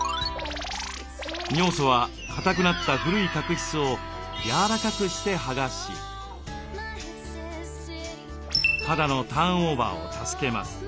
尿素はかたくなった古い角質をやわらかくして剥がし肌のターンオーバーを助けます。